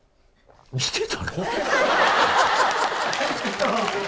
見てたの？